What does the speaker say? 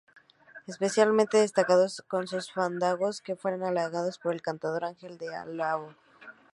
Especialmente destacados son sus fandangos que fueran alabados por el cantaor Ángel de Álora.